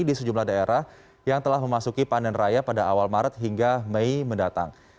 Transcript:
di sejumlah daerah yang telah memasuki panen raya pada awal maret hingga mei mendatang